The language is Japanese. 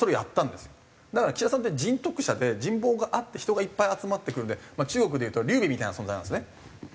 だから岸田さんって人徳者で人望があって人がいっぱい集まってくるので中国でいうと劉備みたいな存在なんですね。